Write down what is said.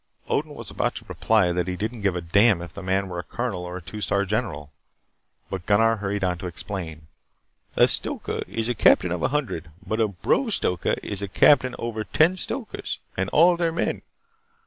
Odin was about to reply that he didn't give a damn if the man were a colonel or a two star general. But Gunnar hurried on to explain. "A Stoka is a captain of a hundred. But a Bro Stoka is a captain over ten Stokas and all their men.